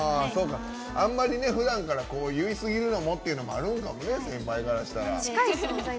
あんまりね、ふだんから言い過ぎるのもっていうのもあるのかもね、先輩からしたら。